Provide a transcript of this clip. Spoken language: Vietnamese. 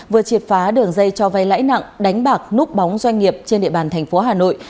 vừa triệt phá đường dây cho vay lãi nặng đánh bạc núp bóng doanh nghiệp trên địa bàn thành phố hà nội